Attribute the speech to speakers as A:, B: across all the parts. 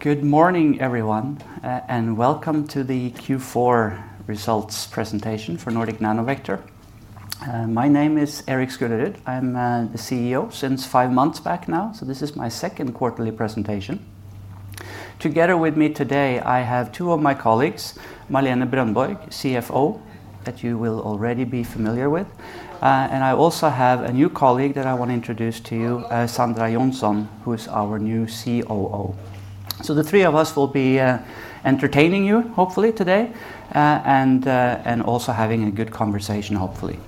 A: Good morning, everyone, and welcome to the Q4 results presentation for Nordic Nanovector. My name is Erik Skullerud. I'm the CEO since five months back now, so this is my second quarterly presentation. Together with me today, I have two of my colleagues, Malene Brondberg, CFO, that you will already be familiar with, and I also have a new colleague that I want to introduce to you, Sandra Jonsson, who is our new COO. So the three of us will be entertaining you, hopefully today, and also having a good conversation hopefully.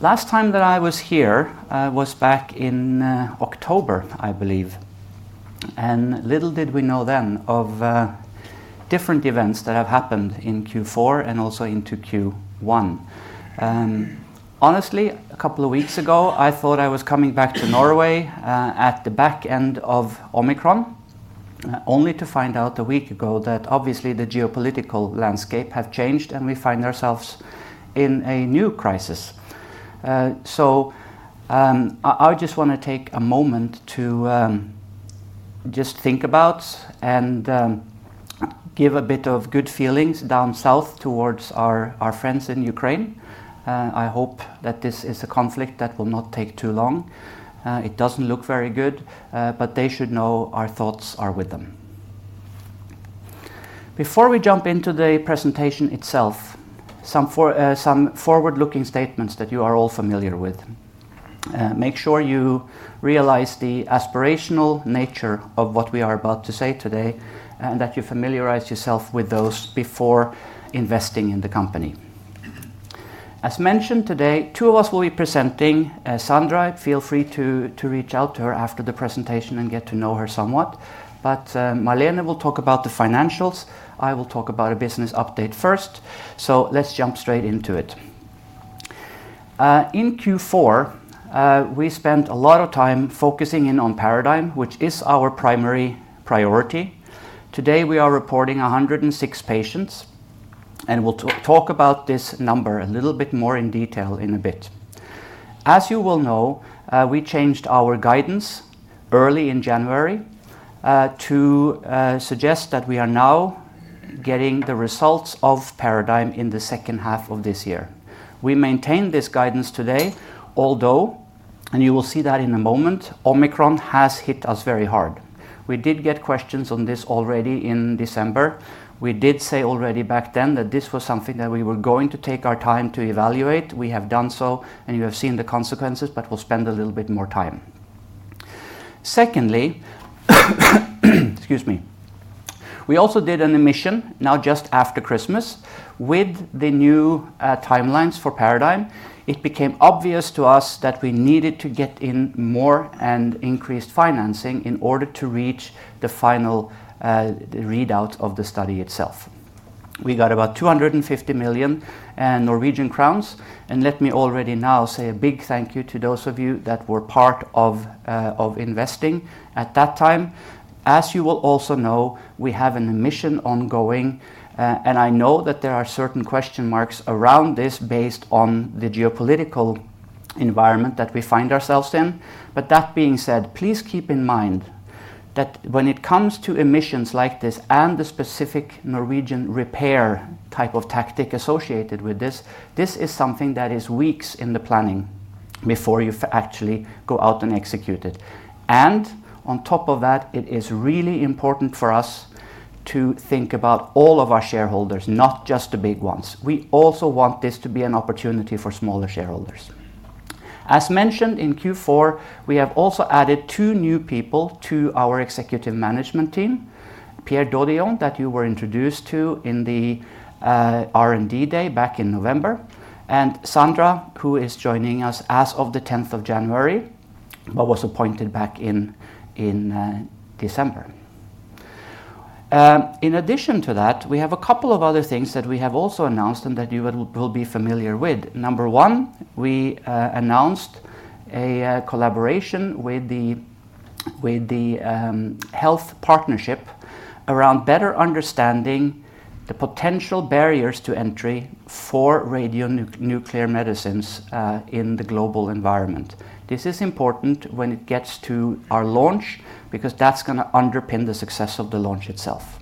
A: Last time that I was here was back in October, I believe. Little did we know then of different events that have happened in Q4 and also into Q1. Honestly, a couple of weeks ago, I thought I was coming back to Norway at the back end of Omicron, only to find out a week ago that obviously the geopolitical landscape had changed, and we find ourselves in a new crisis. I just wanna take a moment to just think about and give a bit of good feelings down south towards our friends in Ukraine. I hope that this is a conflict that will not take too long. It doesn't look very good, but they should know our thoughts are with them. Before we jump into the presentation itself, some forward-looking statements that you are all familiar with. Make sure you realize the aspirational nature of what we are about to say today, and that you familiarize yourself with those before investing in the company. As mentioned today, two of us will be presenting. Sandra, feel free to reach out to her after the presentation and get to know her somewhat. Malene will talk about the financials. I will talk about a business update first. Let's jump straight into it. In Q4, we spent a lot of time focusing in on PARADIGME, which is our primary priority. Today, we are reporting 106 patients, and we'll talk about this number a little bit more in detail in a bit. As you will know, we changed our guidance early in January, to suggest that we are now getting the results of PARADIGME in the second half of this year. We maintain this guidance today, although, and you will see that in a moment, Omicron has hit us very hard. We did get questions on this already in December. We did say already back then that this was something that we were going to take our time to evaluate. We have done so, and you have seen the consequences, but we'll spend a little bit more time. Secondly, excuse me. We also did an emission now just after Christmas. With the new, timelines for PARADIGME, it became obvious to us that we needed to get in more and increased financing in order to reach the final, readout of the study itself. We got about 250 million Norwegian crowns, and let me already now say a big thank you to those of you that were part of investing at that time. As you will also know, we have an emission ongoing, and I know that there are certain question marks around this based on the geopolitical environment that we find ourselves in. But that being said, please keep in mind that when it comes to emissions like this and the specific Norwegian private placement associated with this is something that is weeks in the planning before you actually go out and execute it. On top of that, it is really important for us to think about all of our shareholders, not just the big ones. We also want this to be an opportunity for smaller shareholders. As mentioned in Q4, we have also added two new people to our executive management team, Pierre Dodion, that you were introduced to in the R&D day back in November, and Sandra Jonsson, who is joining us as of the tenth of January, but was appointed back in December. In addition to that, we have a couple of other things that we have also announced and that you will be familiar with. Number one, we announced a collaboration with the HPP around better understanding the potential barriers to entry for radionuclide medicines in the global environment. This is important when it gets to our launch because that's gonna underpin the success of the launch itself.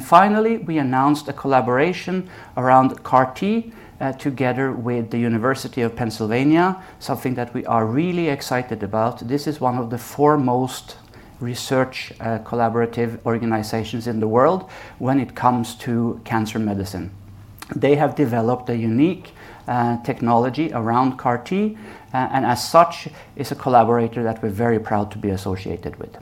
A: Finally, we announced a collaboration around CAR T together with the University of Pennsylvania, something that we are really excited about. This is one of the foremost research, collaborative organizations in the world when it comes to cancer medicine. They have developed a unique, technology around CAR T, and as such, is a collaborator that we're very proud to be associated with.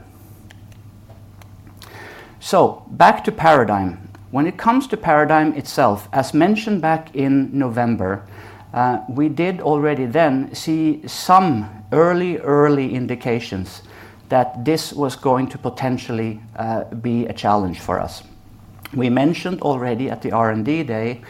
A: Back to PARADIGME. When it comes to PARADIGME itself, as mentioned back in November, we did already then see some early indications that this was going to potentially be a challenge for us. We mentioned already at the R&D Day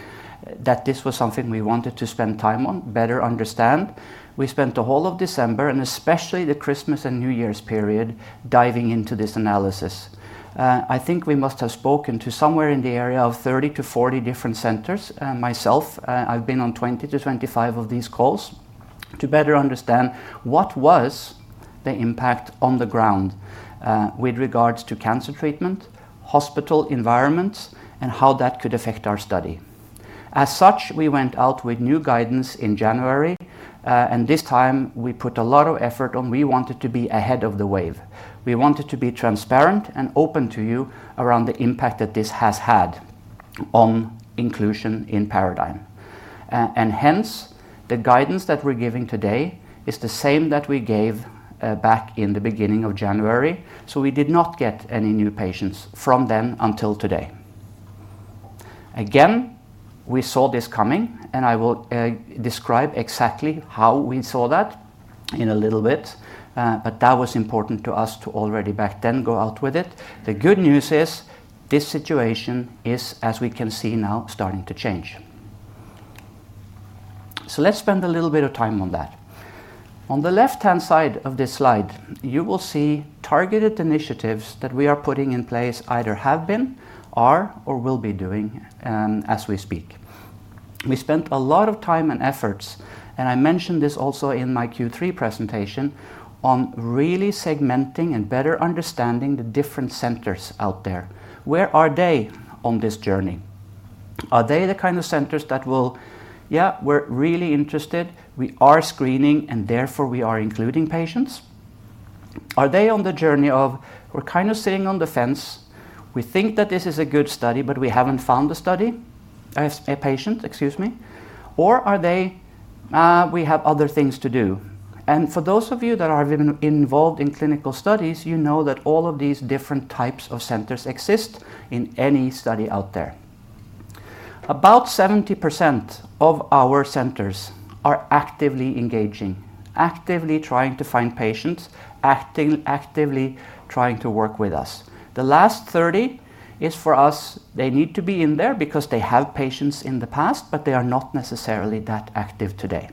A: that this was something we wanted to spend time on, better understand. We spent the whole of December, and especially the Christmas and New Year's period, diving into this analysis. I think we must have spoken to somewhere in the area of 30-40 different centers. Myself, I've been on 20-25 of these calls. To better understand what was the impact on the ground, with regards to cancer treatment, hospital environments, and how that could affect our study. As such, we went out with new guidance in January, and this time we put a lot of effort on we wanted to be ahead of the wave. We wanted to be transparent and open to you around the impact that this has had on inclusion in PARADIGME. Hence, the guidance that we're giving today is the same that we gave, back in the beginning of January, so we did not get any new patients from then until today. Again, we saw this coming, and I will describe exactly how we saw that in a little bit, but that was important to us to already back then go out with it. The good news is this situation is, as we can see now, starting to change. Let's spend a little bit of time on that. On the left-hand side of this slide, you will see targeted initiatives that we are putting in place either have been, are, or will be doing, as we speak. We spent a lot of time and efforts, and I mentioned this also in my Q3 presentation, on really segmenting and better understanding the different centers out there. Where are they on this journey? Are they the kind of centers that will, yeah, we're really interested, we are screening, and therefore we are including patients. Are they on the journey or we're kind of sitting on the fence, we think that this is a good study, but we haven't found a patient. Or are they, we have other things to do. For those of you that are even involved in clinical studies, you know that all of these different types of centers exist in any study out there. About 70% of our centers are actively engaging, actively trying to find patients, actively trying to work with us. The last 30% is for us. They need to be in there because they have patients in the past, but they are not necessarily that active today.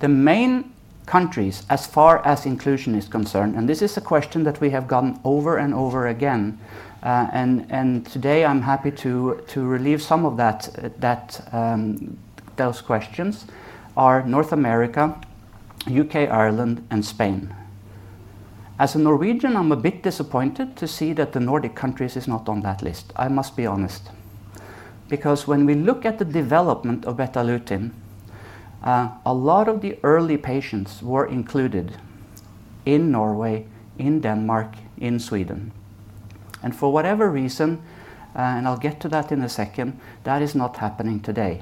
A: The main countries as far as inclusion is concerned, and this is a question that we have gotten over and over again, and today I'm happy to relieve some of that, those questions are North America, U.K., Ireland, and Spain. As a Norwegian, I'm a bit disappointed to see that the Nordic countries is not on that list. I must be honest. Because when we look at the development of Betalutin, a lot of the early patients were included in Norway, in Denmark, in Sweden. For whatever reason, I'll get to that in a second, that is not happening today.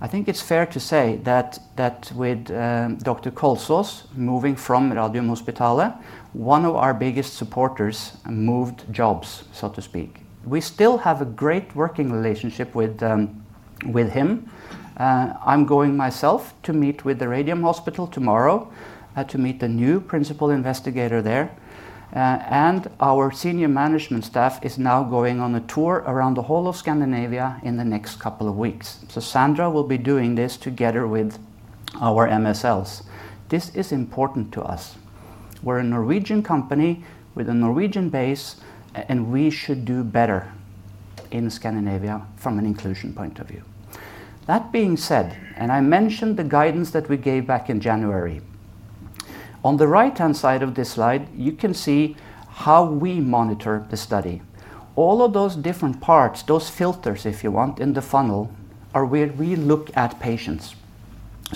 A: I think it's fair to say that with Dr. Kolstad moving from Radiumhospitalet, one of our biggest supporters moved jobs, so to speak. We still have a great working relationship with him. I'm going myself to meet with the Radiumhospitalet tomorrow, to meet the new principal investigator there. Our senior management staff is now going on a tour around the whole of Scandinavia in the next couple of weeks. Sandra will be doing this together with our MSLs. This is important to us. We're a Norwegian company with a Norwegian base and we should do better in Scandinavia from an inclusion point of view. That being said, I mentioned the guidance that we gave back in January. On the right-hand side of this slide, you can see how we monitor the study. All of those different parts, those filters, if you want, in the funnel are where we look at patients.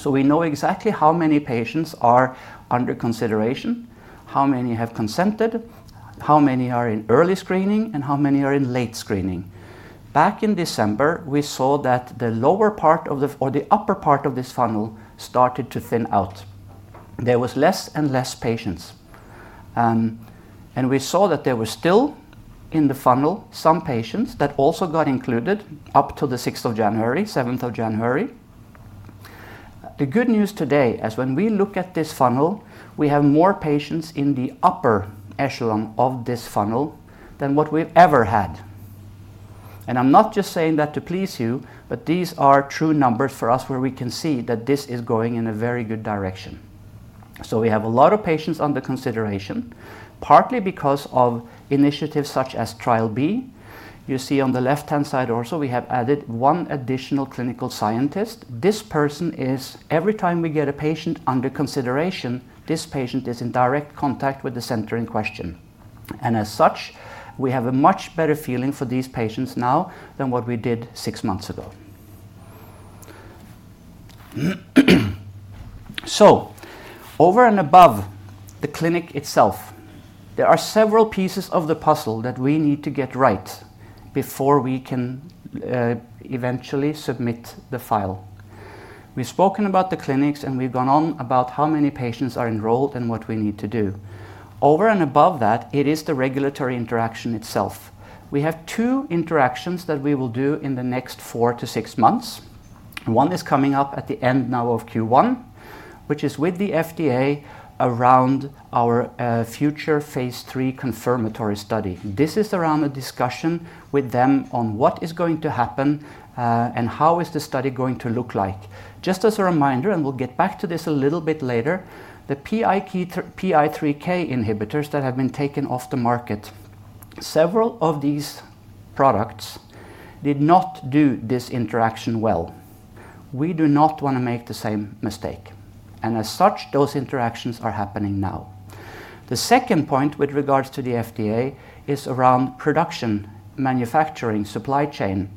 A: We know exactly how many patients are under consideration, how many have consented, how many are in early screening, and how many are in late screening. Back in December, we saw that the lower part or the upper part of this funnel started to thin out. There was less and less patients. We saw that there were still in the funnel some patients that also got included up to the sixth of January, seventh of January. The good news today, as when we look at this funnel, we have more patients in the upper echelon of this funnel than what we've ever had. I'm not just saying that to please you, but these are true numbers for us where we can see that this is going in a very good direction. We have a lot of patients under consideration, partly because of initiatives such as Trialbee. You see on the left-hand side also, we have added one additional clinical scientist. This person is every time we get a patient under consideration, this patient is in direct contact with the center in question. And as such, we have a much better feeling for these patients now than what we did six months ago. Over and above the clinic itself, there are several pieces of the puzzle that we need to get right before we can eventually submit the file. We've spoken about the clinics, and we've gone on about how many patients are enrolled and what we need to do. Over and above that, it is the regulatory interaction itself. We have two interactions that we will do in the next four to six months. One is coming up at the end now of Q1, which is with the FDA around our future phase III confirmatory study. This is around a discussion with them on what is going to happen and how is the study going to look like. Just as a reminder, we'll get back to this a little bit later, the PI3K inhibitors that have been taken off the market, several of these products did not do this interaction well. We do not wanna make the same mistake, and as such, those interactions are happening now. The second point with regards to the FDA is around production, manufacturing, supply chain.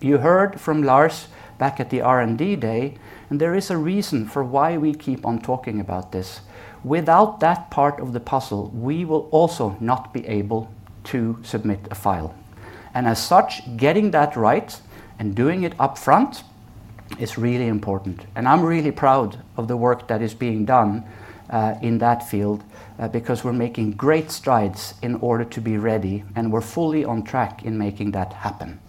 A: You heard from Lars back at the R&D day, and there is a reason for why we keep on talking about this. Without that part of the puzzle, we will also not be able to submit a file. As such, getting that right and doing it upfront is really important. I'm really proud of the work that is being done in that field because we're making great strides in order to be ready, and we're fully on track in making that happen.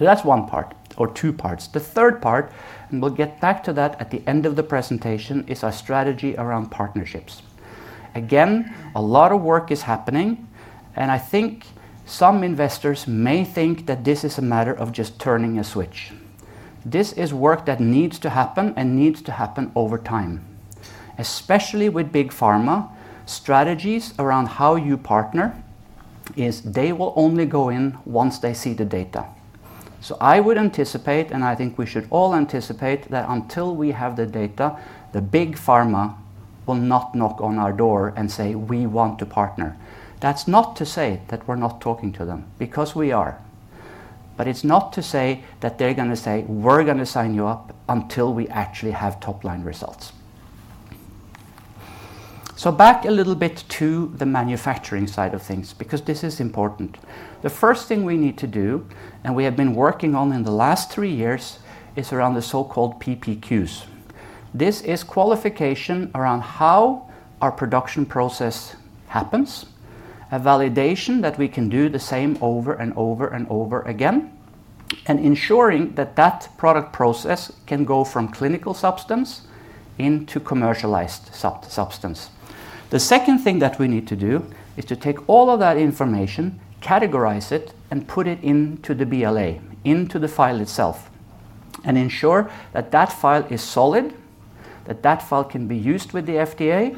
A: That's one part or two parts. The third part, and we'll get back to that at the end of the presentation, is our strategy around partnerships. Again, a lot of work is happening, and I think some investors may think that this is a matter of just turning a switch. This is work that needs to happen and needs to happen over time. Especially with big pharma, strategies around how you partner is they will only go in once they see the data. I would anticipate, and I think we should all anticipate, that until we have the data, the big pharma will not knock on our door and say, "We want to partner." That's not to say that we're not talking to them because we are, but it's not to say that they're gonna say, "We're gonna sign you up," until we actually have top-line results. Back a little bit to the manufacturing side of things because this is important. The first thing we need to do, and we have been working on in the last three years, is around the so-called PPQs. This is qualification around how our production process happens, a validation that we can do the same over and over and over again, and ensuring that that product process can go from clinical substance into commercialized sub-substance. The second thing that we need to do is to take all of that information, categorize it, and put it into the BLA, into the file itself, and ensure that file is solid, that file can be used with the FDA.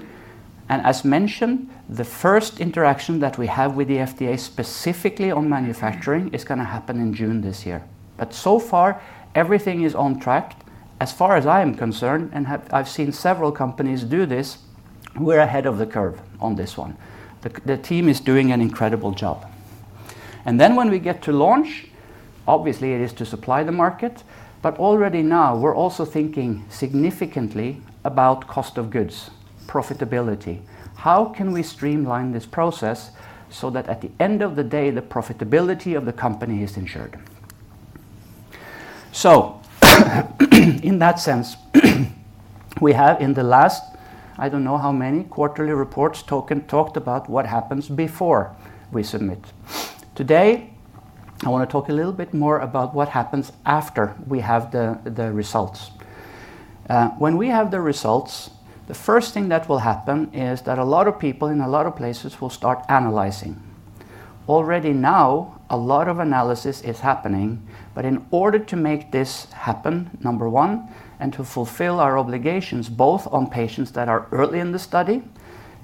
A: As mentioned, the first interaction that we have with the FDA specifically on manufacturing is gonna happen in June this year. So far, everything is on track. As far as I am concerned, I've seen several companies do this, we're ahead of the curve on this one. The team is doing an incredible job. Then when we get to launch, obviously it is to supply the market, but already now we're also thinking significantly about cost of goods, profitability. How can we streamline this process so that at the end of the day, the profitability of the company is ensured? In that sense, we have in the last, I don't know how many quarterly reports talked about what happens before we submit. Today, I wanna talk a little bit more about what happens after we have the results. When we have the results, the first thing that will happen is that a lot of people in a lot of places will start analyzing. Already now, a lot of analysis is happening, but in order to make this happen, number one, and to fulfill our obligations, both on patients that are early in the study,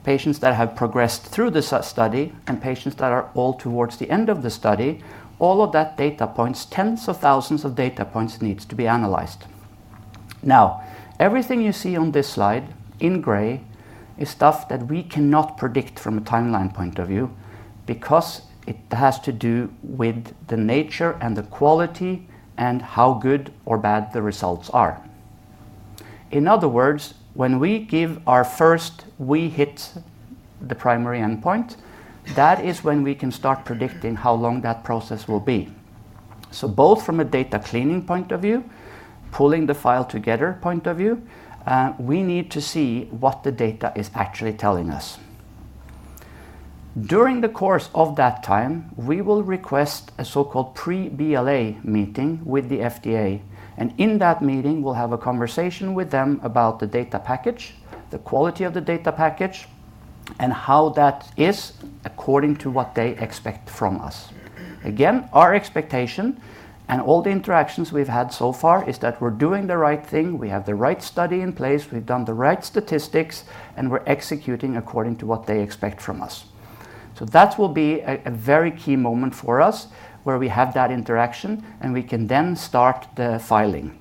A: patients that have progressed through the study, and patients that are all towards the end of the study, all of that data points, tens of thousands of data points needs to be analyzed. Now, everything you see on this slide in gray is stuff that we cannot predict from a timeline point of view because it has to do with the nature and the quality and how good or bad the results are. In other words, when we give our first, "We hit the primary endpoint," that is when we can start predicting how long that process will be. Both from a data cleaning point of view, pulling the file together point of view, we need to see what the data is actually telling us. During the course of that time, we will request a so-called pre-BLA meeting with the FDA, and in that meeting, we'll have a conversation with them about the data package, the quality of the data package, and how that is according to what they expect from us. Again, our expectation and all the interactions we've had so far is that we're doing the right thing, we have the right study in place, we've done the right statistics, and we're executing according to what they expect from us. That will be a very key moment for us, where we have that interaction, and we can then start the filing.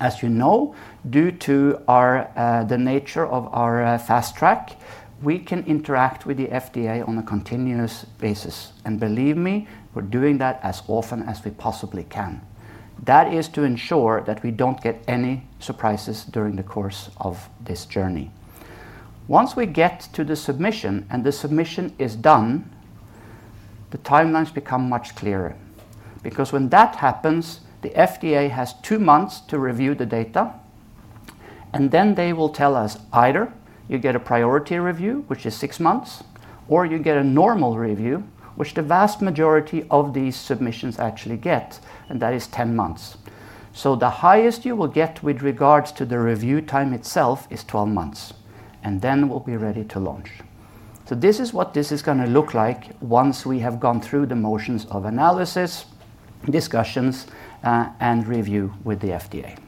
A: As you know, due to the nature of our Fast Track, we can interact with the FDA on a continuous basis. Believe me, we're doing that as often as we possibly can. That is to ensure that we don't get any surprises during the course of this journey. Once we get to the submission and the submission is done, the timelines become much clearer because when that happens, the FDA has two months to review the data, and then they will tell us either you get a priority review, which is six months, or you get a normal review, which the vast majority of these submissions actually get, and that is 10 months. The highest you will get with regards to the review time itself is 12 months, and then we'll be ready to launch. This is what this is gonna look like once we have gone through the motions of analysis, discussions, and review with the FDA.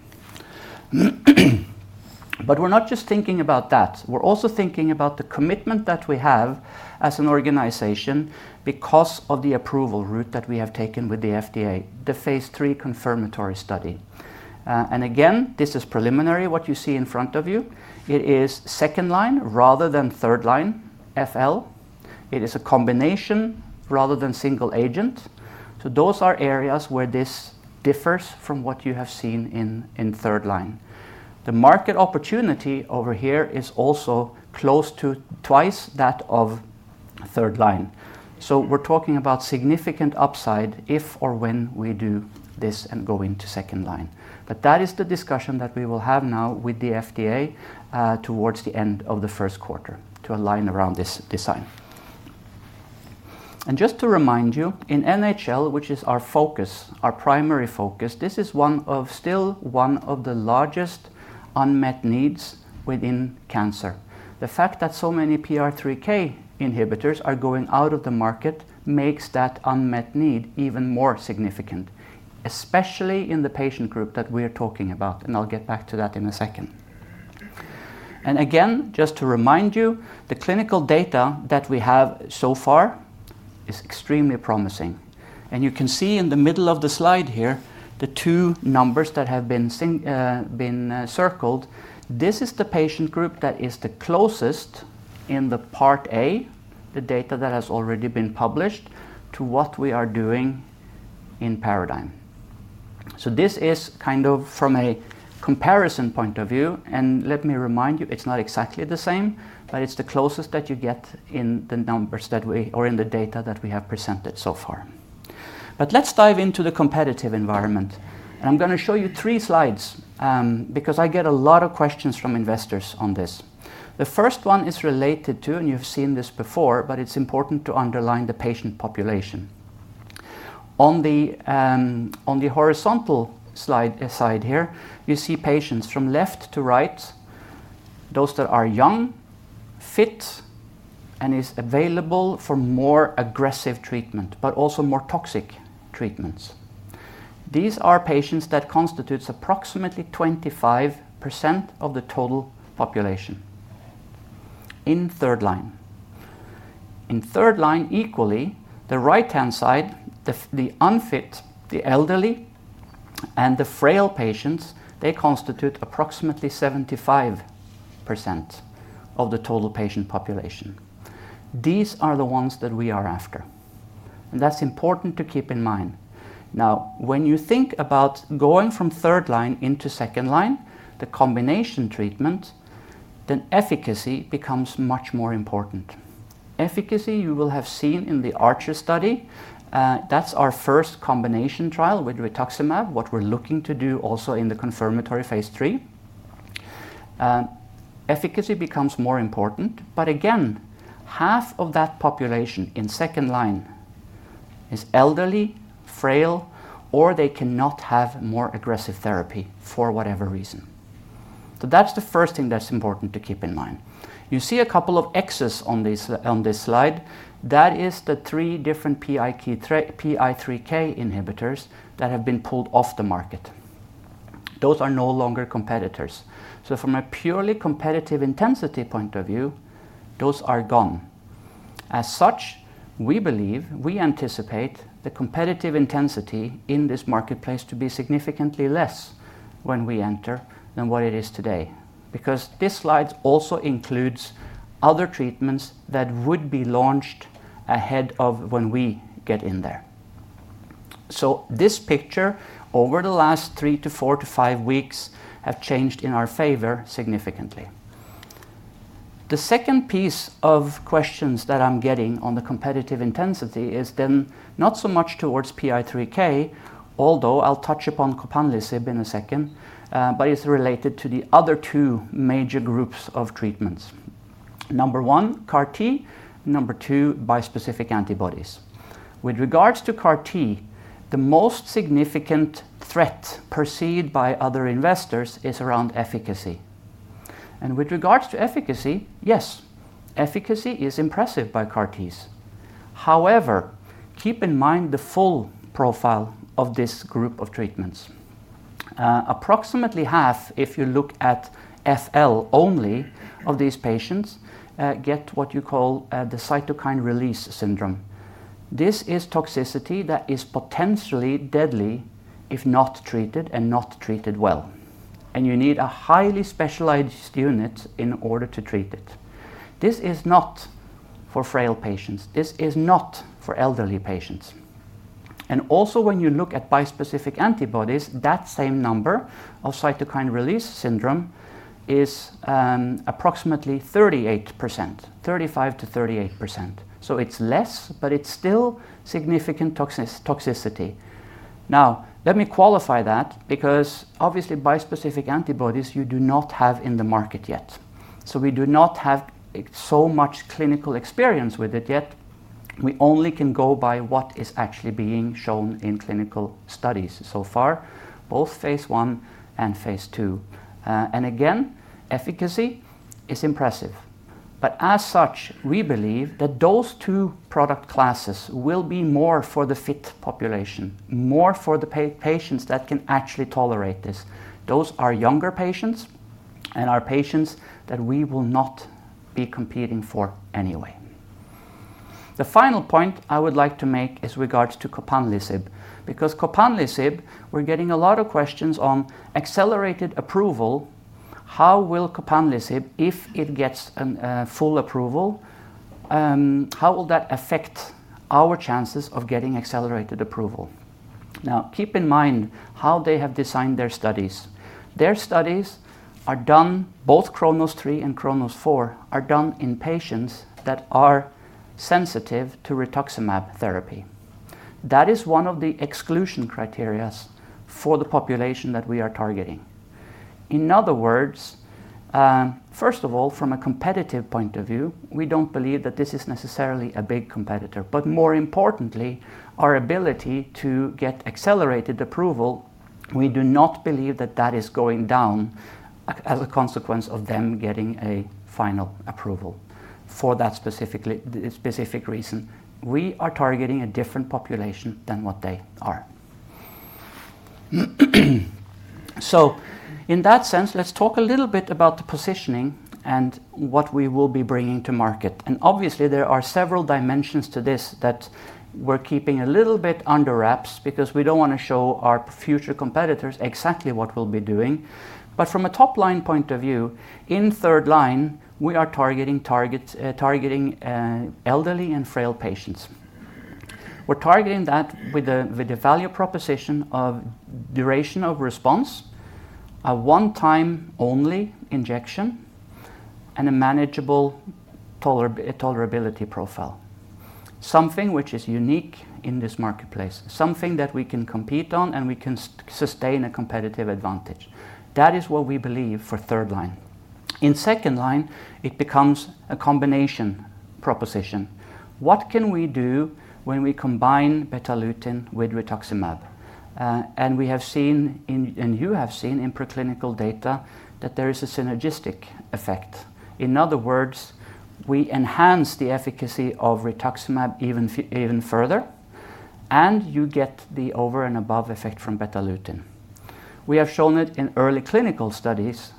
A: We're not just thinking about that. We're also thinking about the commitment that we have as an organization because of the approval route that we have taken with the FDA, the phase III confirmatory study. Again, this is preliminary, what you see in front of you. It is second line rather than third line FL. It is a combination rather than single agent. Those are areas where this differs from what you have seen in third line. The market opportunity over here is also close to twice that of third line. We're talking about significant upside if or when we do this and go into second line. That is the discussion that we will have now with the FDA, towards the end of the first quarter to align around this design. Just to remind you, in NHL, which is our focus, our primary focus, this is still one of the largest unmet needs within cancer. The fact that so many PI3K inhibitors are going out of the market makes that unmet need even more significant, especially in the patient group that we're talking about, and I'll get back to that in a second. Again, just to remind you, the clinical data that we have so far is extremely promising. You can see in the middle of the slide here, the two numbers that have been circled. This is the patient group that is the closest in the part A, the data that has already been published, to what we are doing in PARADIGME. This is kind of from a comparison point of view. Let me remind you, it's not exactly the same, but it's the closest that you get in the numbers that we or in the data that we have presented so far. Let's dive into the competitive environment. I'm gonna show you three slides, because I get a lot of questions from investors on this. The first one is related to, and you've seen this before, but it's important to underline the patient population. On the, on the horizontal slide aside here, you see patients from left to right, those that are young, fit, and is available for more aggressive treatment, but also more toxic treatments. These are patients that constitutes approximately 25% of the total population in third line. In third line, equally, the right-hand side, the unfit, the elderly, and the frail patients, they constitute approximately 75% of the total patient population. These are the ones that we are after, and that's important to keep in mind. Now, when you think about going from third line into second line, the combination treatment, then efficacy becomes much more important. Efficacy you will have seen in the Archer study. That's our first combination trial with rituximab, what we're looking to do also in the confirmatory phase III. Efficacy becomes more important, but again, half of that population in second line is elderly, frail, or they cannot have more aggressive therapy for whatever reason. That's the first thing that's important to keep in mind. You see a couple of X's on this slide. That is the three different PI3K inhibitors that have been pulled off the market. Those are no longer competitors. From a purely competitive intensity point of view, those are gone. As such, we believe, we anticipate the competitive intensity in this marketplace to be significantly less when we enter than what it is today, because this slide also includes other treatments that would be launched ahead of when we get in there. This picture over the last three to four to five weeks have changed in our favor significantly. The second piece of questions that I'm getting on the competitive intensity is then not so much towards PI3K, although I'll touch upon copanlisib in a second, but it's related to the other two major groups of treatments. Number one, CAR T, number two, bispecific antibodies. With regards to CAR T, the most significant threat perceived by other investors is around efficacy. With regards to efficacy, yes, efficacy is impressive by CAR Ts. However, keep in mind the full profile of this group of treatments. Approximately half, if you look at FL only of these patients, get what you call, the cytokine release syndrome. This is toxicity that is potentially deadly if not treated and not treated well, and you need a highly specialized unit in order to treat it. This is not for frail patients. This is not for elderly patients. When you look at bispecific antibodies, that same number of cytokine release syndrome is, approximately 38%, 35%-38%. It's less, but it's still significant toxicity. Now, let me qualify that because obviously bispecific antibodies you do not have in the market yet. We do not have so much clinical experience with it yet. We only can go by what is actually being shown in clinical studies so far, both phase I and phase II. Again, efficacy is impressive. As such, we believe that those two product classes will be more for the fit population, more for the patients that can actually tolerate this. Those are younger patients and are patients that we will not be competing for anyway. The final point I would like to make is regards to copanlisib. Because copanlisib, we're getting a lot of questions on Accelerated Approval, how will copanlisib, if it gets a full approval, how will that affect our chances of getting Accelerated Approval? Now, keep in mind how they have designed their studies. Their studies are done, both CHRONOS-3 and CHRONOS-4, are done in patients that are sensitive to rituximab therapy. That is one of the exclusion criteria for the population that we are targeting. In other words, first of all, from a competitive point of view, we don't believe that this is necessarily a big competitor. More importantly, our ability to get Accelerated Approval, we do not believe that that is going down as a consequence of them getting a final approval for that specific reason. We are targeting a different population than what they are. In that sense, let's talk a little bit about the positioning and what we will be bringing to market. Obviously, there are several dimensions to this that we're keeping a little bit under wraps because we don't wanna show our future competitors exactly what we'll be doing. From a top-line point of view, in third line, we are targeting elderly and frail patients. We're targeting that with the value proposition of duration of response, a one-time only injection, and a manageable tolerability profile. Something which is unique in this marketplace, something that we can compete on, and we can sustain a competitive advantage. That is what we believe for third line. In second line, it becomes a combination proposition. What can we do when we combine Betalutin with rituximab? You have seen in preclinical data that there is a synergistic effect. In other words, we enhance the efficacy of rituximab even further, and you get the over-and-above effect from Betalutin. We have shown it in early clinical studies,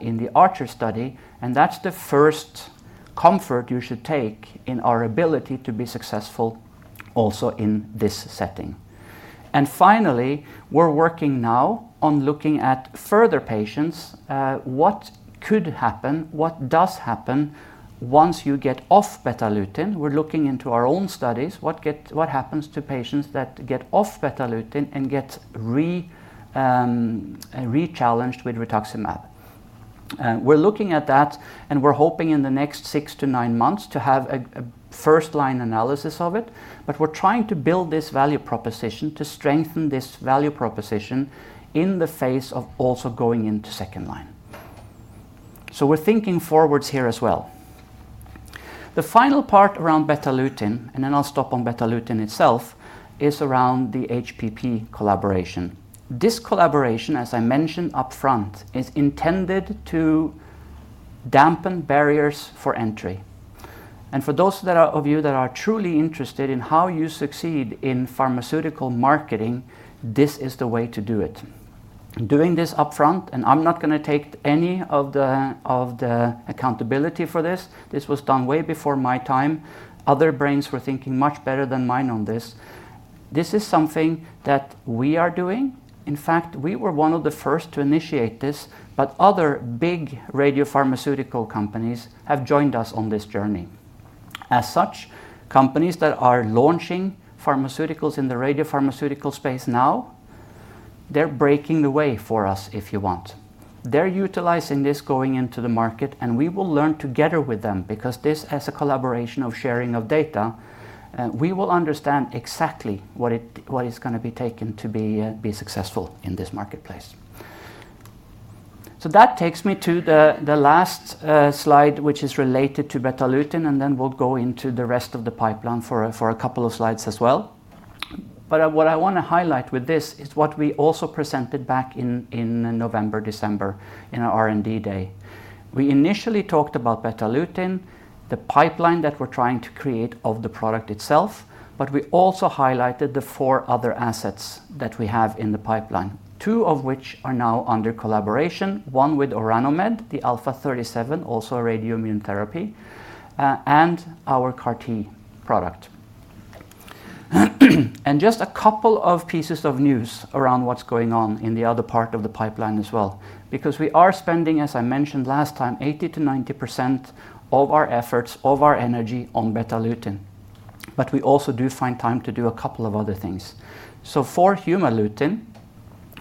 A: in the Archer study, and that's the first comfort you should take in our ability to be successful also in this setting. Finally, we're working now on looking at further patients, what could happen, what does happen once you get off Betalutin. We're looking into our own studies, what happens to patients that get off Betalutin and get rechallenged with rituximab. We're looking at that, and we're hoping in the next six to nine months to have a first-line analysis of it. But we're trying to build this value proposition to strengthen this value proposition in the face of also going into second line. We're thinking forwards here as well. The final part around Betalutin, and then I'll stop on Betalutin itself, is around the HPP collaboration. This collaboration, as I mentioned upfront, is intended to dampen barriers for entry. For those of you that are truly interested in how you succeed in pharmaceutical marketing, this is the way to do it. Doing this upfront, I'm not gonna take any of the accountability for this. This was done way before my time. Other brains were thinking much better than mine on this. This is something that we are doing. In fact, we were one of the first to initiate this, but other big radiopharmaceutical companies have joined us on this journey. As such, companies that are launching pharmaceuticals in the radiopharmaceutical space now, they're paving the way for us if you want. They're utilizing this going into the market, and we will learn together with them because this is a collaboration of sharing of data. We will understand exactly what it is gonna be taken to be successful in this marketplace. That takes me to the last slide which is related to Betalutin, and then we'll go into the rest of the pipeline for a couple of slides as well. What I wanna highlight with this is what we also presented back in November, December in our R&D day. We initially talked about Betalutin, the pipeline that we're trying to create of the product itself, but we also highlighted the four other assets that we have in the pipeline. Two of which are now under collaboration, one with Orano Med, the Alpha37, also a radioimmunotherapy, and our CAR-T product. Just a couple of pieces of news around what's going on in the other part of the pipeline as well. Because we are spending, as I mentioned last time, 80%-90% of our efforts, of our energy on Betalutin, but we also do find time to do a couple of other things. For Humalutin,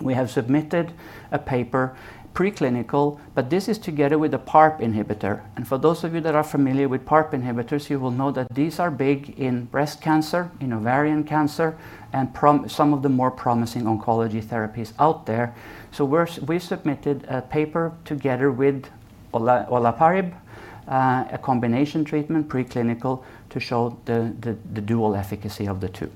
A: we have submitted a paper, preclinical, but this is together with a PARP inhibitor. For those of you that are familiar with PARP inhibitors, you will know that these are big in breast cancer, in ovarian cancer, and some of the more promising oncology therapies out there. We've submitted a paper together with olaparib, a combination treatment, preclinical, to show the dual efficacy of the two.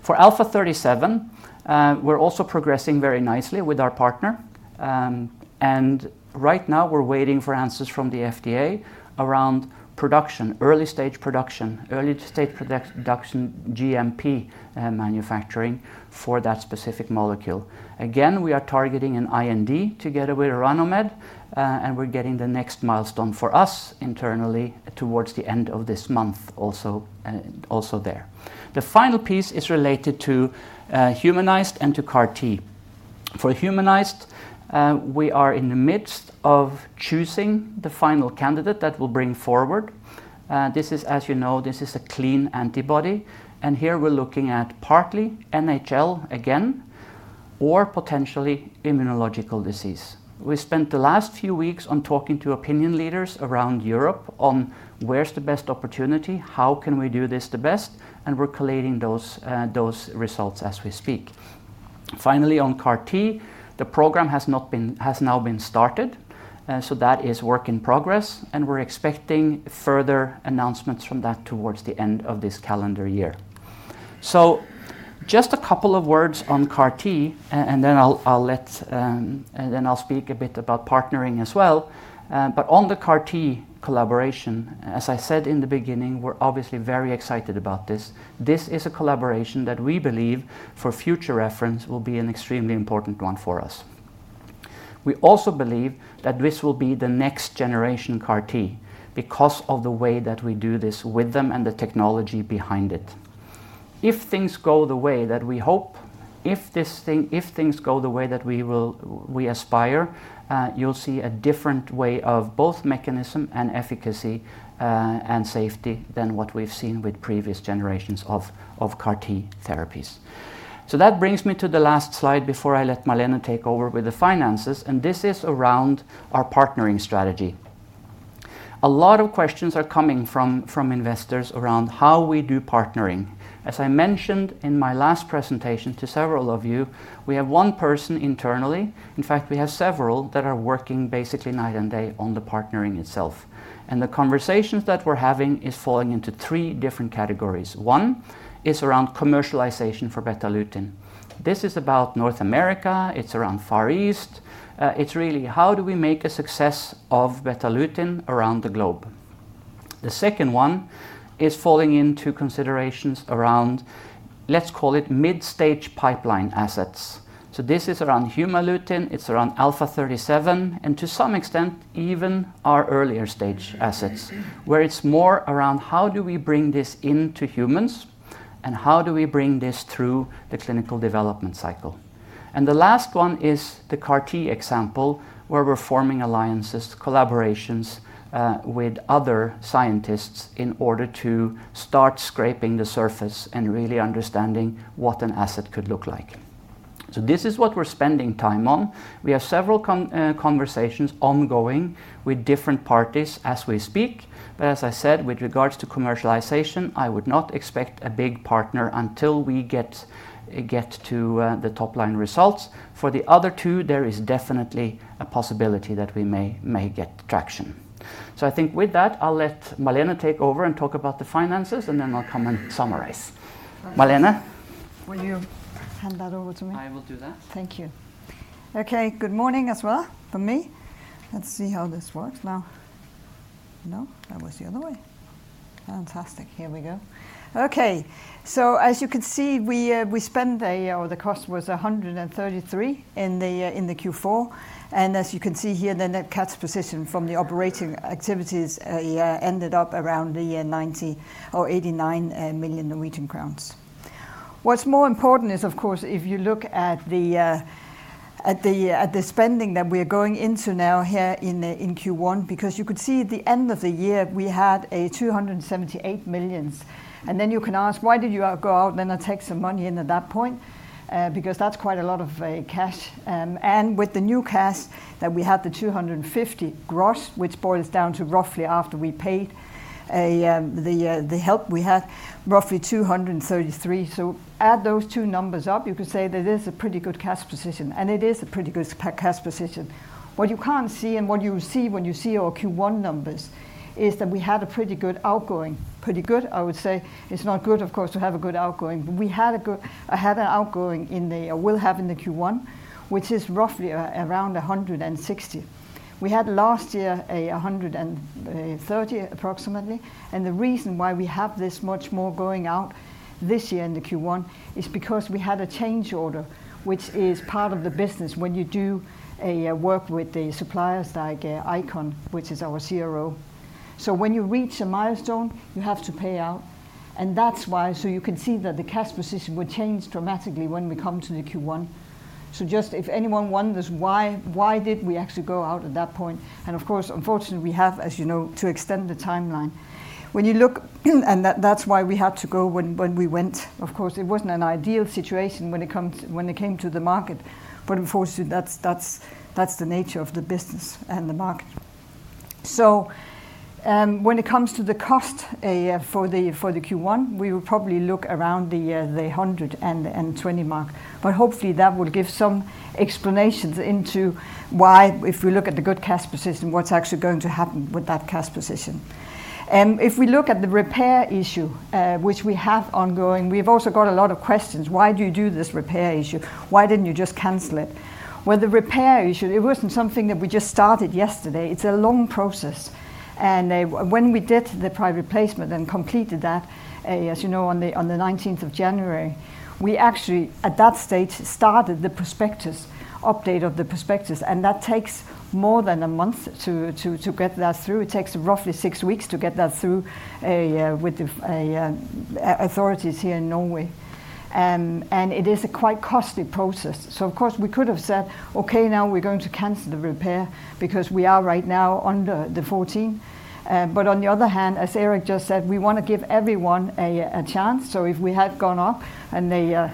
A: For Alpha37, we're also progressing very nicely with our partner. Right now we're waiting for answers from the FDA around production, early stage production, GMP, and manufacturing for that specific molecule. Again, we are targeting an IND together with Orano Med, and we're getting the next milestone for us internally towards the end of this month also there. The final piece is related to Humalutin and to CAR-T. For Humalutin, we are in the midst of choosing the final candidate that we'll bring forward. This is as you know, this is a clean antibody, and here we're looking at partly NHL again or potentially immunological disease. We spent the last few weeks talking to opinion leaders around Europe on where's the best opportunity, how can we do this the best, and we're collating those results as we speak. Finally, on CAR-T, the program has now been started, so that is work in progress, and we're expecting further announcements from that towards the end of this calendar year. Just a couple of words on CAR-T and then I'll speak a bit about partnering as well. On the CAR-T collaboration, as I said in the beginning, we're obviously very excited about this. This is a collaboration that we believe for future reference will be an extremely important one for us. We also believe that this will be the next generation CAR-T because of the way that we do this with them and the technology behind it. If things go the way that we hope, if things go the way that we aspire, you'll see a different way of both mechanism and efficacy, and safety than what we've seen with previous generations of CAR-T therapies. That brings me to the last slide before I let Malene take over with the finances, and this is around our partnering strategy. A lot of questions are coming from investors around how we do partnering. As I mentioned in my last presentation to several of you, we have one person internally. In fact, we have several that are working basically night and day on the partnering itself. The conversations that we're having are falling into three different categories. One is around commercialization for Betalutin. This is about North America, it's around Far East. It's really how do we make a success of Betalutin around the globe. The second one is falling into considerations around, let's call it mid-stage pipeline assets. This is around Humalutin, it's around Alpha 37, and to some extent even our earlier stage assets, where it's more around how do we bring this into humans and how do we bring this through the clinical development cycle. The last one is the CAR-T example, where we're forming alliances, collaborations, with other scientists in order to start scraping the surface and really understanding what an asset could look like. This is what we're spending time on. We have several conversations ongoing with different parties as we speak. As I said, with regards to commercialization, I would not expect a big partner until we get to the top-line results. For the other two, there is definitely a possibility that we may get traction. I think with that, I'll let Malene take over and talk about the finances, and then I'll come and summarize. Malene.
B: Will you hand that over to me?
A: I will do that.
B: Thank you. Okay. Good morning as well from me. Let's see how this works now. No, that was the other way. Fantastic. Here we go. Okay. As you can see, the cost was 133 in Q4. As you can see here, the net cash position from the operating activities ended up around 89 million Norwegian crowns. What's more important is, of course, if you look at the spending that we're going into now here in Q1, because you could see at the end of the year we had 278 million. Then you can ask, why did you go out and take some money in at that point? Because that's quite a lot of cash. With the new cash that we had, the 250 gross, which boils down to roughly after we paid the help, we had roughly 233. Add those two numbers up, you could say that it is a pretty good cash position, and it is a pretty good cash position. What you can't see and what you see when you see our Q1 numbers is that we had a pretty good outgoing. I would say it's not good, of course, to have a good outgoing, but we had an outgoing, or will have in Q1, which is roughly around 160. We had last year 130 approximately. The reason why we have this much more going out this year in the Q1 is because we had a change order, which is part of the business when you do a work with the suppliers like Icon, which is our CRO. When you reach a milestone, you have to pay out, and that's why. You can see that the cash position will change dramatically when we come to the Q1. Just if anyone wonders why did we actually go out at that point, and of course, unfortunately, we have, as you know, to extend the timeline. When you look and that's why we had to go when we went. Of course, it wasn't an ideal situation when it came to the market, but unfortunately, that's the nature of the business and the market. When it comes to the cost, for the Q1, we will probably look around the 120 mark. Hopefully that will give some explanations into why, if we look at the good cash position, what's actually going to happen with that cash position. If we look at the repair issue, which we have ongoing, we've also got a lot of questions. Why do you do this repair issue? Why didn't you just cancel it? Well, the repair issue, it wasn't something that we just started yesterday. It's a long process. When we did the private placement and completed that, as you know, on the nineteenth of January, we actually at that stage started the prospectus update of the prospectus, and that takes more than a month to get that through. It takes roughly six weeks to get that through, yeah, with the FSA authorities here in Norway. It is a quite costly process. So of course, we could have said, "Okay, now we're going to cancel the repair," because we are right now under the 14. But on the other hand, as Erik just said, we want to give everyone a chance. So if we had gone off and they,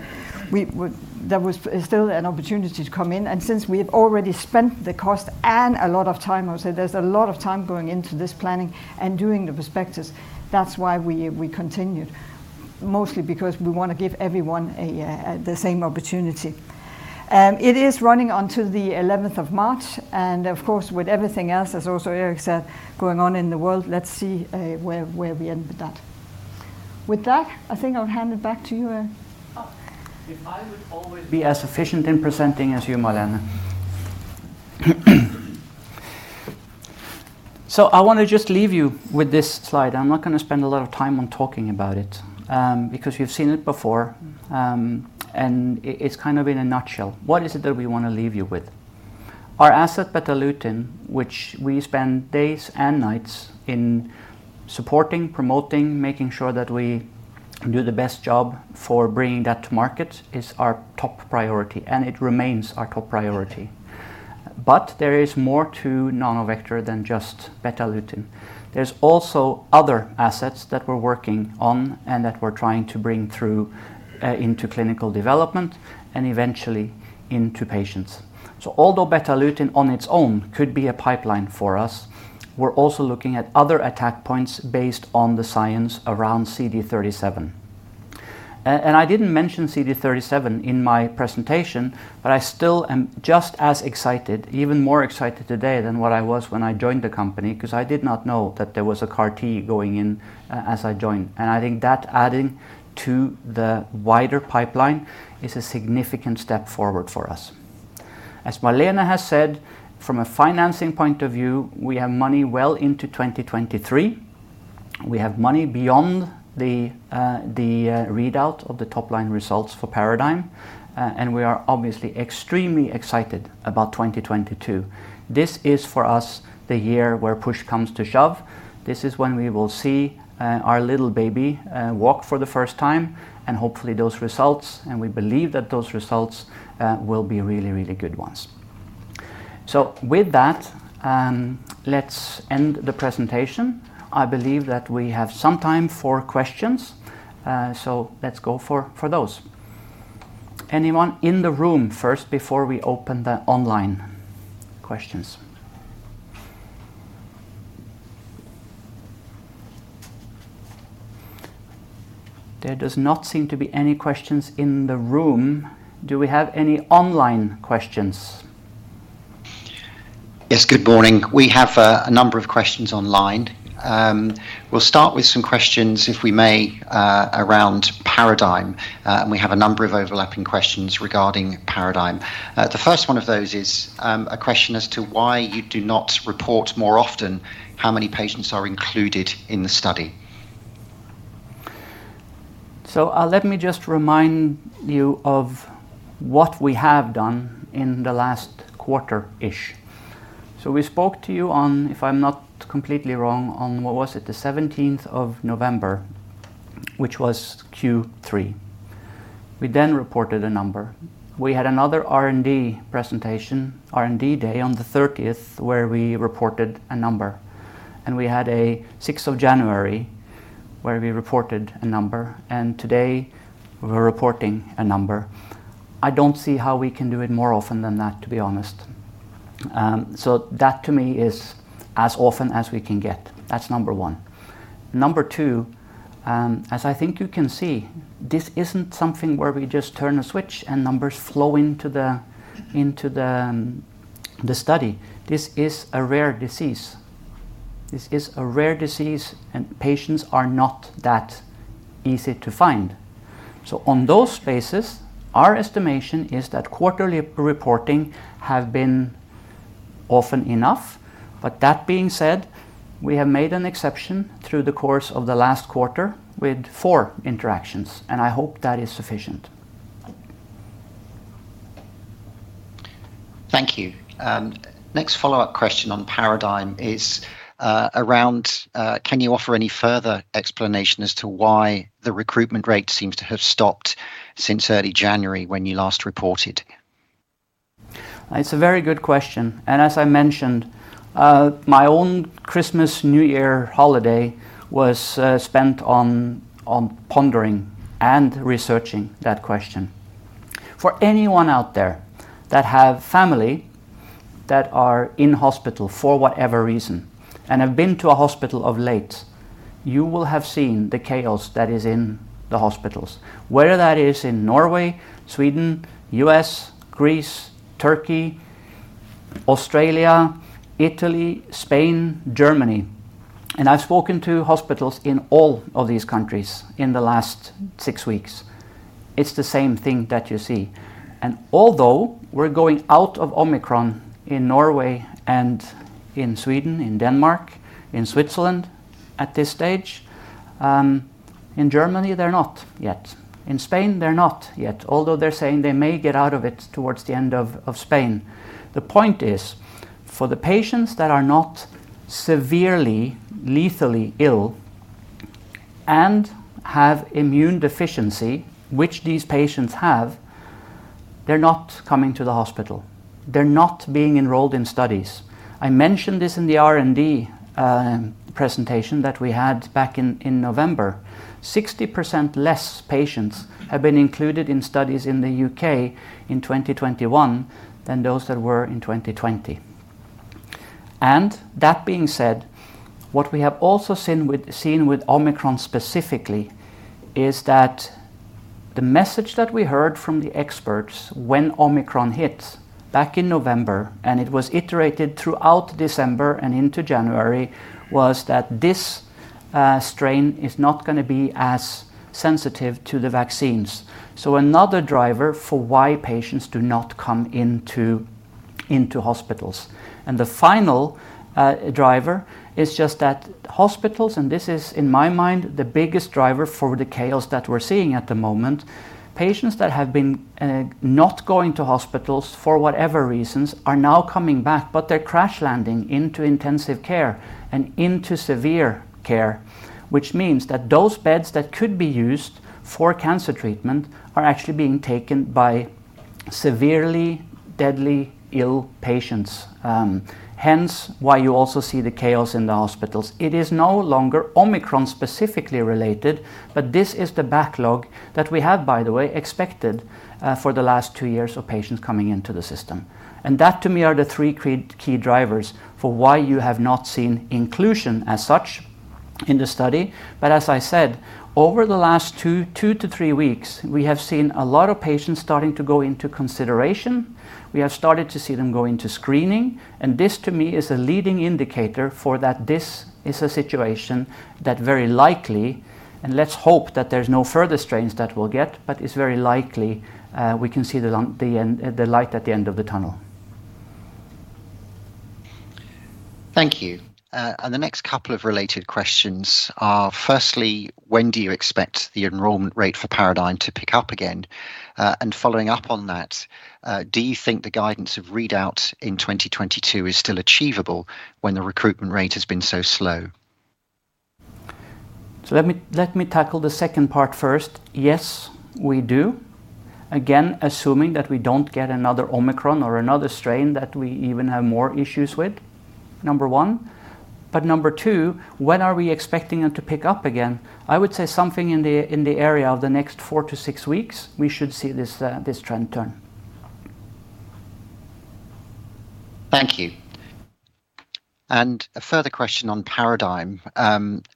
B: we would. There was still an opportunity to come in, and since we have already spent the cost and a lot of time, I would say there's a lot of time going into this planning and doing the prospectus. That's why we continued, mostly because we want to give everyone the same opportunity. It is running until the eleventh of March, and of course, with everything else, as also Erik said, going on in the world, let's see where we end with that. With that, I think I'll hand it back to you, Erik.
A: If I would always be as efficient in presenting as you, Malene Brønborg. I want to just leave you with this slide. I'm not going to spend a lot of time on talking about it, because you've seen it before. It's kind of in a nutshell what it is that we want to leave you with. Our asset Betalutin, which we spend days and nights in supporting, promoting, making sure that we do the best job for bringing that to market, is our top priority, and it remains our top priority. There is more to Nanovector than just Betalutin. There's also other assets that we're working on and that we're trying to bring through into clinical development and eventually into patients. Although Betalutin on its own could be a pipeline for us, we're also looking at other attack points based on the science around CD37. I didn't mention CD37 in my presentation, but I still am just as excited, even more excited today than what I was when I joined the company, because I did not know that there was a CAR-T going as I joined, and I think that adding to the wider pipeline is a significant step forward for us. As Malene has said, from a financing point of view, we have money well into 2023. We have money beyond the readout of the top-line results for PARADIGME, and we are obviously extremely excited about 2022. This is for us the year where push comes to shove. This is when we will see our little baby walk for the first time, and hopefully those results, and we believe that those results will be really, really good ones. With that, let's end the presentation. I believe that we have some time for questions, so let's go for those. Anyone in the room first before we open the online questions? There does not seem to be any questions in the room. Do we have any online questions?
C: Yes. Good morning. We have a number of questions online. We'll start with some questions, if we may, around PARADIGME. We have a number of overlapping questions regarding PARADIGME. The first one of those is a question as to why you do not report more often how many patients are included in the study.
A: Let me just remind you of what we have done in the last quarter-ish. We spoke to you on, if I'm not completely wrong, on what was it? The seventeenth of November, which was Q3. We then reported a number. We had another R&D presentation, R&D day on the thirtieth, where we reported a number, and we had a sixth of January where we reported a number, and today we're reporting a number. I don't see how we can do it more often than that, to be honest. That to me is as often as we can get. That's number one. Number two, as I think you can see, this isn't something where we just turn a switch and numbers flow into the study. This is a rare disease. This is a rare disease, and patients are not that easy to find. On those bases, our estimation is that quarterly reporting have been often enough. That being said, we have made an exception through the course of the last quarter with four interactions, and I hope that is sufficient.
C: Thank you. Next follow-up question on PARADIGME is around can you offer any further explanation as to why the recruitment rate seems to have stopped since early January when you last reported?
A: It's a very good question. As I mentioned, my own Christmas-New Year holiday was spent on pondering and researching that question. For anyone out there that have family that are in hospital for whatever reason and have been to a hospital of late, you will have seen the chaos that is in the hospitals. Whether that is in Norway, Sweden, U.S., Greece, Turkey, Australia, Italy, Spain, Germany, and I've spoken to hospitals in all of these countries in the last six weeks. It's the same thing that you see. Although we're going out of Omicron in Norway and in Sweden, in Denmark, in Switzerland at this stage, in Germany they're not yet. In Spain they're not yet, although they're saying they may get out of it towards the end of Spain. The point is, for the patients that are not severely lethally ill and have immune deficiency, which these patients have, they're not coming to the hospital. They're not being enrolled in studies. I mentioned this in the R&D presentation that we had back in November. 60% less patients have been included in studies in the U.K. in 2021 than those that were in 2020. That being said, what we have also seen with Omicron specifically is that the message that we heard from the experts when Omicron hit back in November, and it was iterated throughout December and into January, was that this strain is not gonna be as sensitive to the vaccines. Another driver for why patients do not come into hospitals. The final driver is just that hospitals, and this is in my mind the biggest driver for the chaos that we're seeing at the moment, patients that have been not going to hospitals for whatever reasons are now coming back, but they're crash landing into intensive care and into severe care, which means that those beds that could be used for cancer treatment are actually being taken by severely deadly ill patients, hence why you also see the chaos in the hospitals. It is no longer Omicron specifically related, but this is the backlog that we have, by the way, expected, for the last two years of patients coming into the system. That to me are the three key drivers for why you have not seen inclusion as such in the study. As I said, over the last two to three weeks, we have seen a lot of patients starting to go into consideration. We have started to see them go into screening. This to me is a leading indicator for that this is a situation that very likely, and let's hope that there's no further strains that we'll get, but it's very likely, we can see the light at the end of the tunnel.
C: Thank you. The next couple of related questions are firstly, when do you expect the enrollment rate for PARADIGME to pick up again? Following up on that, do you think the guidance of readout in 2022 is still achievable when the recruitment rate has been so slow?
A: Let me tackle the second part first. Yes, we do. Again, assuming that we don't get another Omicron or another strain that we even have more issues with, number one. Number two, when are we expecting them to pick up again? I would say something in the area of the next four to six weeks, we should see this trend turn.
C: Thank you. A further question on PARADIGME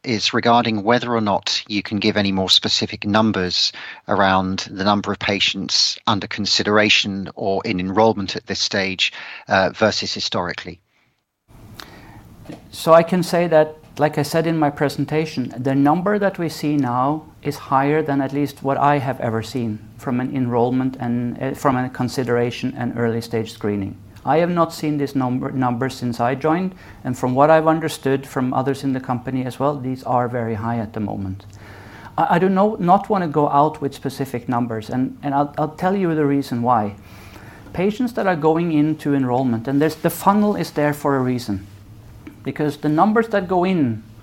C: is regarding whether or not you can give any more specific numbers around the number of patients under consideration or in enrollment at this stage, versus historically.
A: I can say that, like I said in my presentation, the number that we see now is higher than at least what I have ever seen from an enrollment and from a consideration and early stage screening. I have not seen this number since I joined, and from what I've understood from others in the company as well, these are very high at the moment. I don't wanna go out with specific numbers and I'll tell you the reason why. Patients that are going into enrollment, and the funnel is there for a reason because the numbers that go into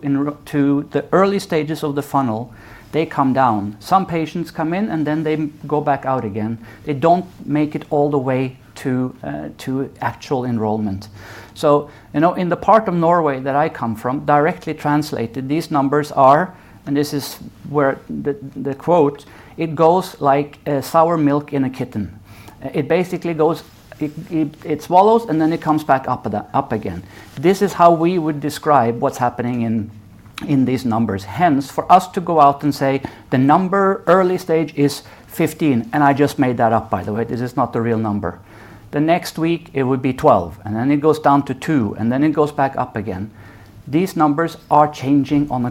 A: the early stages of the funnel, they come down. Some patients come in and then they go back out again. They don't make it all the way to actual enrollment. You know, in the part of Norway that I come from, directly translated, these numbers are, and this is where the quote, "It goes like sour milk in a kitten." It basically goes. It swallows and then it comes back up again. This is how we would describe what's happening in these numbers. Hence, for us to go out and say the number early stage is 15, and I just made that up by the way, this is not the real number. The next week it would be 12, and then it goes down to two, and then it goes back up again. These numbers are changing on a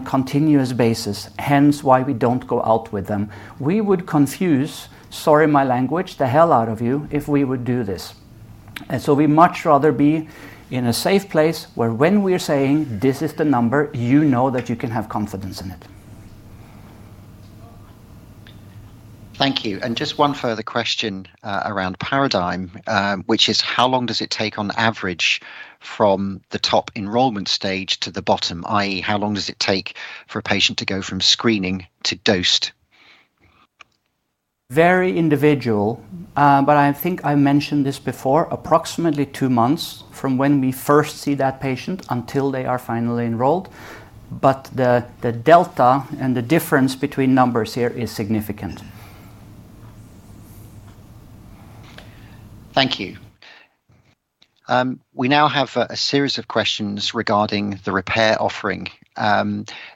A: continuous basis, hence why we don't go out with them. We would confuse, sorry, my language, the hell out of you if we would do this. We'd much rather be in a safe place where when we are saying this is the number, you know that you can have confidence in it.
C: Thank you. Just one further question, around PARADIGME, which is how long does it take on average from the top enrollment stage to the bottom? I.e., how long does it take for a patient to go from screening to dosed?
A: Very individual, but I think I mentioned this before, approximately two months from when we first see that patient until they are finally enrolled. The delta and the difference between numbers here is significant.
C: Thank you. We now have a series of questions regarding the private placement.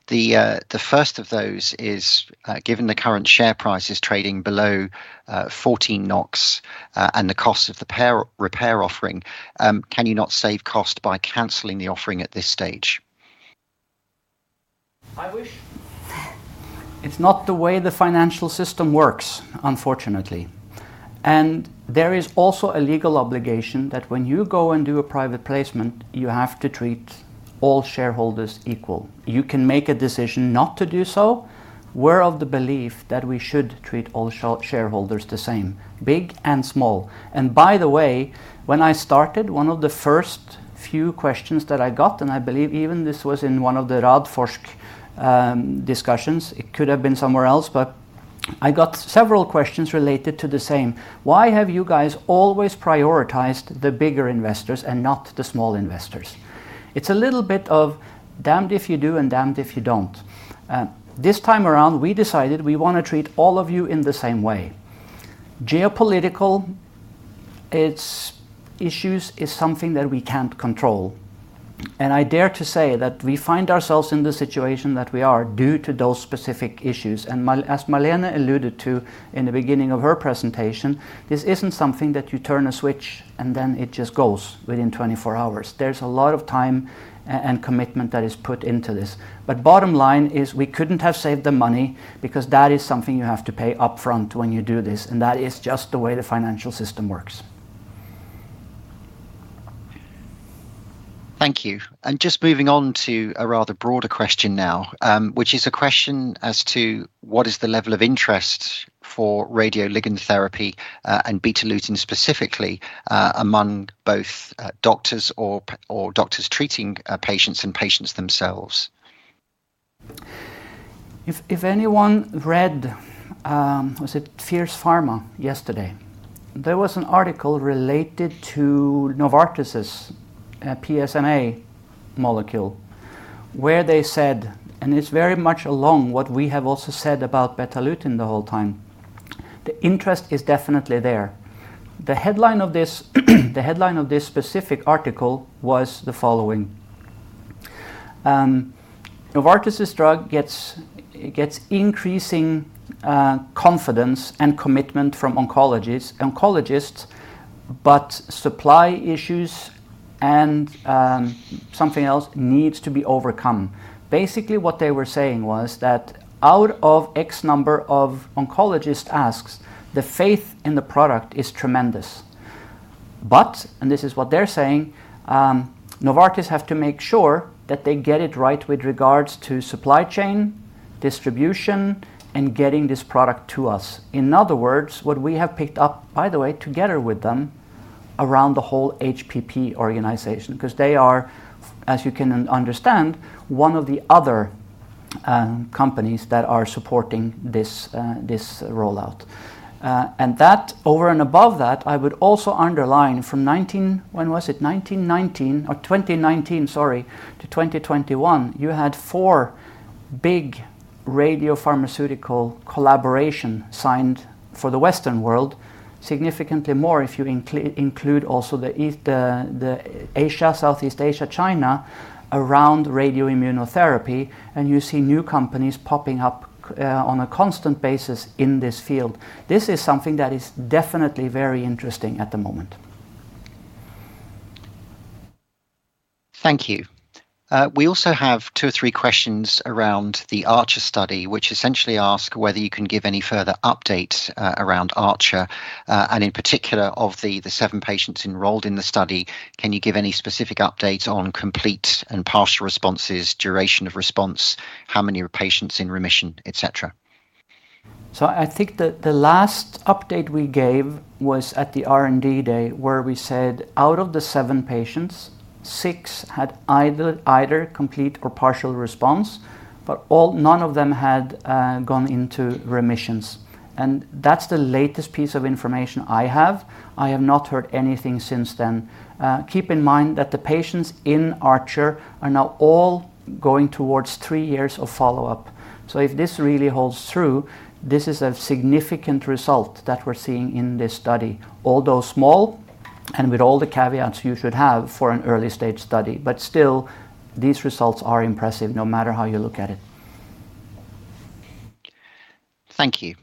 C: The first of those is, given the current share price is trading below 14 NOK, and the cost of the private placement, can you not save cost by canceling the offering at this stage?
A: I wish. It's not the way the financial system works, unfortunately. There is also a legal obligation that when you go and do a private placement, you have to treat all shareholders equal. You can make a decision not to do so. We're of the belief that we should treat all shareholders the same, big and small. By the way, when I started, one of the first few questions that I got, and I believe even this was in one of the Radforsk discussions, it could have been somewhere else, but I got several questions related to the same. Why have you guys always prioritized the bigger investors and not the small investors? It's a little bit of damned if you do and damned if you don't. This time around, we decided we wanna treat all of you in the same way. Geopolitical, its issues is something that we can't control. I dare to say that we find ourselves in the situation that we are due to those specific issues. As Malene alluded to in the beginning of her presentation, this isn't something that you turn a switch and then it just goes within 24 hours. There's a lot of time and commitment that is put into this. Bottom line is we couldn't have saved the money because that is something you have to pay upfront when you do this, and that is just the way the financial system works.
C: Thank you. Just moving on to a rather broader question now, which is a question as to what is the level of interest for radioligand therapy and Betalutin specifically, among both doctors treating patients and patients themselves?
A: If anyone read was it Fierce Pharma yesterday, there was an article related to Novartis's PSMA molecule where they said. It's very much along what we have also said about Betalutin the whole time. The interest is definitely there. The headline of this specific article was the following. "Novartis's drug gets increasing confidence and commitment from oncologists, but supply issues and something else needs to be overcome." Basically, what they were saying was that out of X number of oncologist asks, the faith in the product is tremendous. This is what they're saying, Novartis have to make sure that they get it right with regards to supply chain, distribution, and getting this product to us. In other words, what we have picked up, by the way, together with them around the whole HPP organization, because they are, as you can understand, one of the other companies that are supporting this rollout. That, over and above that, I would also underline from 2019, sorry, to 2021, you had four big radiopharmaceutical collaborations signed for the Western world, significantly more if you include also the East, the Asia, Southeast Asia, China, around radioimmunotherapy, and you see new companies popping up on a constant basis in this field. This is something that is definitely very interesting at the moment.
C: Thank you. We also have two or three questions around the Archer-1 study, which essentially ask whether you can give any further updates around Archer-1, and in particular of the seven patients enrolled in the study, can you give any specific updates on complete and partial responses, duration of response, how many patients are in remission, et cetera?
A: I think the last update we gave was at the R&D day where we said out of the seven patients, six had either complete or partial response, but none of them had gone into remission. That's the latest piece of information I have. I have not heard anything since then. Keep in mind that the patients in Archer-1 are now all going towards three years of follow-up. If this really holds true, this is a significant result that we're seeing in this study, although small and with all the caveats you should have for an early stage study, these results are impressive no matter how you look at it.
C: Thank you.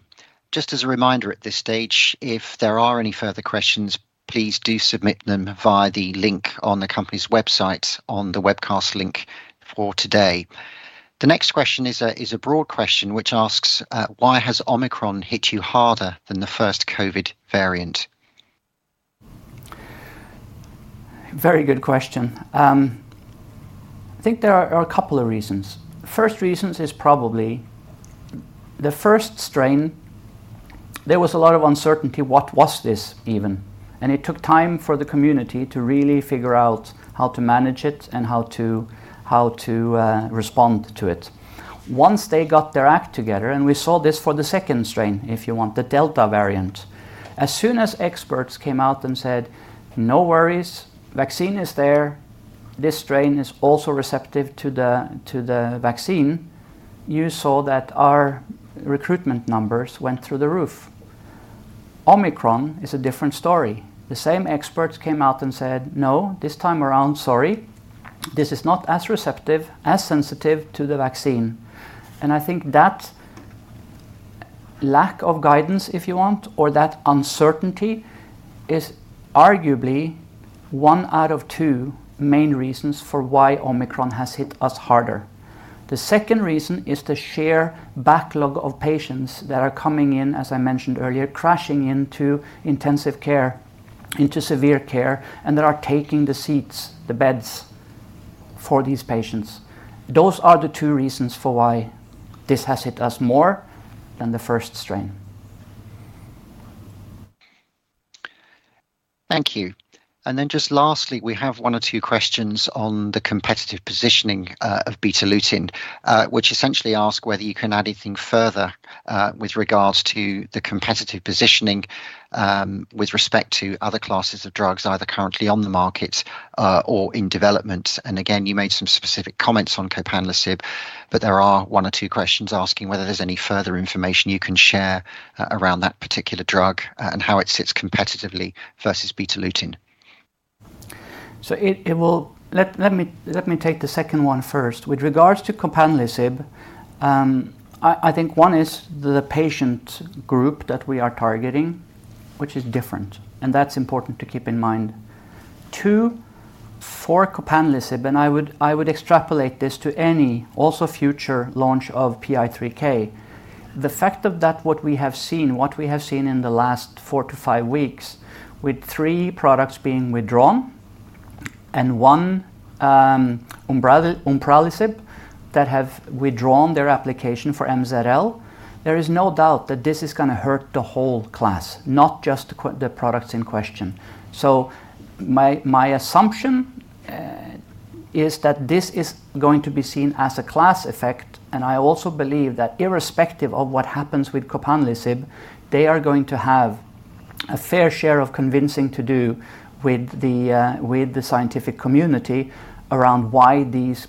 C: Just as a reminder at this stage, if there are any further questions, please do submit them via the link on the company's website on the webcast link for today. The next question is a broad question which asks, "Why has Omicron hit you harder than the first COVID variant?
A: Very good question. I think there are a couple of reasons. First reason is probably the first strain. There was a lot of uncertainty what this even was, and it took time for the community to really figure out how to manage it and how to respond to it. Once they got their act together, we saw this for the second strain, if you want, the Delta variant. As soon as experts came out and said, "No worries, vaccine is there. This strain is also receptive to the vaccine." You saw that our recruitment numbers went through the roof. Omicron is a different story. The same experts came out and said, "No, this time around, sorry, this is not as receptive, as sensitive to the vaccine." I think that lack of guidance, if you want, or that uncertainty is arguably one out of two main reasons for why Omicron has hit us harder. The second reason is the sheer backlog of patients that are coming in, as I mentioned earlier, crashing into intensive care, into severe care, and that are taking the seats, the beds for these patients. Those are the two reasons for why this has hit us more than the first strain.
C: Thank you. Then just lastly, we have one or two questions on the competitive positioning of Betalutin, which essentially ask whether you can add anything further with regards to the competitive positioning with respect to other classes of drugs, either currently on the market or in development. Again, you made some specific comments on copanlisib, but there are one or two questions asking whether there's any further information you can share around that particular drug and how it sits competitively versus Betalutin.
A: Let me take the second one first. With regards to copanlisib, I think one is the patient group that we are targeting, which is different, and that's important to keep in mind. Two, for copanlisib, and I would extrapolate this to any also future launch of PI3K, the fact that what we have seen in the last four to five weeks, with three products being withdrawn and one, umbralisib that have withdrawn their application for MZL, there is no doubt that this is gonna hurt the whole class, not just the products in question. My assumption is that this is going to be seen as a class effect, and I also believe that irrespective of what happens with copanlisib, they are going to have a fair share of convincing to do with the scientific community around why these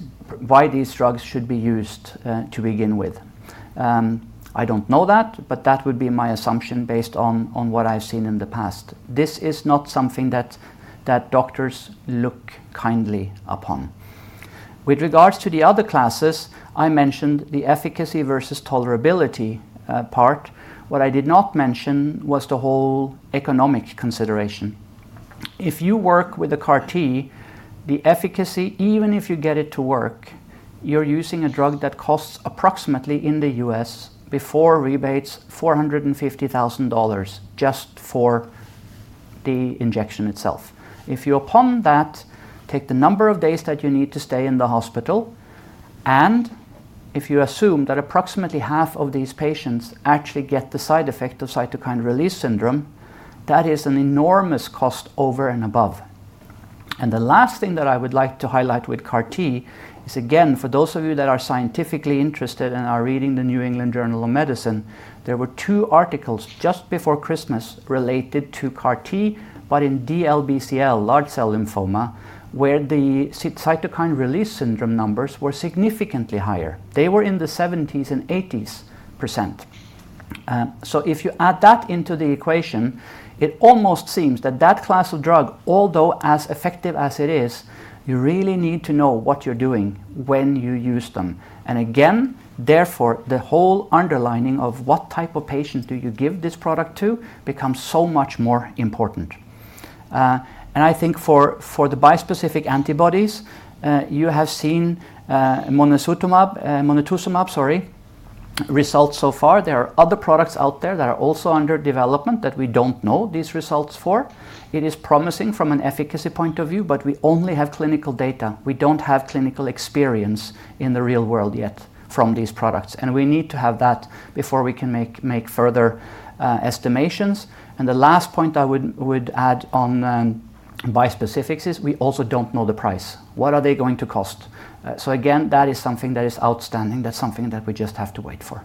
A: drugs should be used to begin with. I don't know that, but that would be my assumption based on what I've seen in the past. This is not something that doctors look kindly upon. With regards to the other classes, I mentioned the efficacy versus tolerability part. What I did not mention was the whole economic consideration. If you work with the CAR-T, the efficacy, even if you get it to work, you're using a drug that costs approximately, in the U.S., before rebates, $450,000 just for the injection itself. If you on top of that take the number of days that you need to stay in the hospital, and if you assume that approximately half of these patients actually get the side effect of cytokine release syndrome, that is an enormous cost over and above. The last thing that I would like to highlight with CAR-T is, again, for those of you that are scientifically interested and are reading the New England Journal of Medicine, there were two articles just before Christmas related to CAR-T, but in DLBCL, large cell lymphoma, where the cytokine release syndrome numbers were significantly higher. They were in the 70s% and 80s%. If you add that into the equation, it almost seems that that class of drug, although as effective as it is, you really need to know what you're doing when you use them. Again, therefore, the whole underlying of what type of patients do you give this product to becomes so much more important. I think for the bispecific antibodies, you have seen mosunetuzumab results so far. There are other products out there that are also under development that we don't know these results for. It is promising from an efficacy point of view, but we only have clinical data. We don't have clinical experience in the real world yet from these products, and we need to have that before we can make further estimations. The last point I would add on bispecifics is we also don't know the price. What are they going to cost? So again, that is something that is outstanding. That's something that we just have to wait for.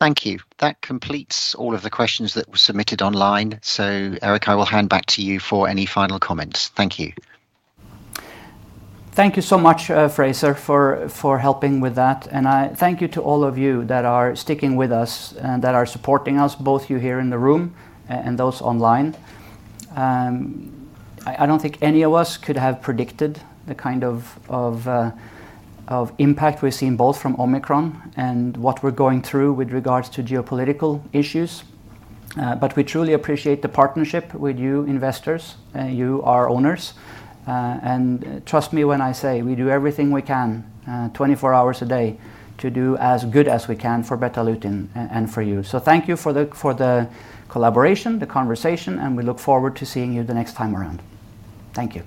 C: Thank you. That completes all of the questions that were submitted online. Erik, I will hand back to you for any final comments. Thank you.
A: Thank you so much, Fraser, for helping with that. I thank you to all of you that are sticking with us and that are supporting us, both you here in the room and those online. I don't think any of us could have predicted the kind of impact we've seen both from Omicron and what we're going through with regards to geopolitical issues. We truly appreciate the partnership with you investors. You are our owners. Trust me when I say we do everything we can, 24 hours a day to do as good as we can for Betalutin and for you. Thank you for the collaboration, the conversation, and we look forward to seeing you the next time around. Thank you.